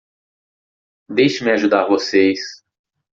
Deixe-me ajudar vocês.